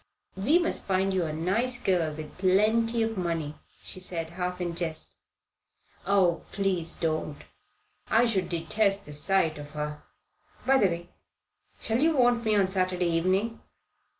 "We must find you a nice girl with plenty of money," she said, half in jest. "Oh, please don't. I should detest the sight of her. By the way, shall you want me on Saturday evening?"